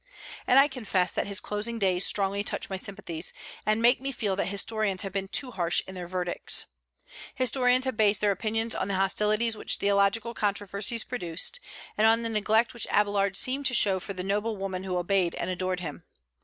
And I confess that his closing days strongly touch my sympathies, and make me feel that historians have been too harsh in their verdicts. Historians have based their opinions on the hostilities which theological controversies produced, and on the neglect which Abélard seemed to show for the noble woman who obeyed and adored him.